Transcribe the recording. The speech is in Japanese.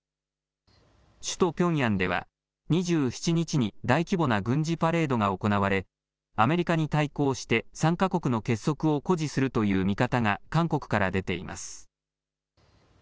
首都ピョンヤンでは２７日に大規模な軍事パレードが行われアメリカに対抗して３か国の結束を誇示するという見方が韓国から出ています。